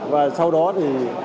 và sau đó thì